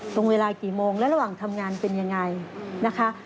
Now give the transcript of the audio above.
ตรงเวลากี่โมงและระหว่างทำงานเป็นยังไงนะคะ